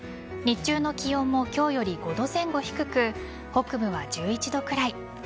日中の気温も今日より５度前後低く北部は１１度くらい。